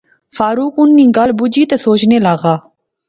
فاروق ان نی گل بجی تے سوچنے لاغا